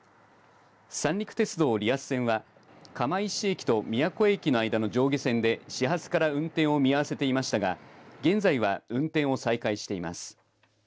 三陸鉄道リアス線は釜石駅と宮古駅の間の上下線で始発から運転を見合わせていましたが現在は、運転を再開しています。